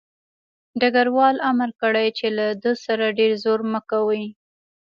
ډګروال امر کړی چې له ده سره ډېر زور مه کوئ